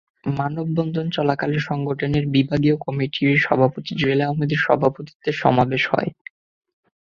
মানববন্ধন চলাকালে সংগঠনের বিভাগীয় কমিটির সভাপতি জুয়েল আহমদের সভাপতিত্বে সমাবেশ হয়।